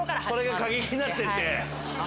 それが過激になってって。